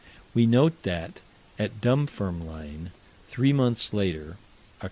We note that, at Dunfermline, three months later (Oct.